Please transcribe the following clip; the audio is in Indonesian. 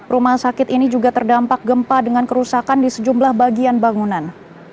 rumah sakit ini juga terdampak gempa dengan kerusakan di sejumlah bagian bangunan